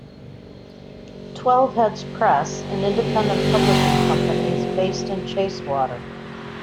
Twelveheads Press, an independent publishing company, is based in Chacewater.